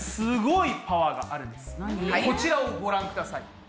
こちらをご覧ください。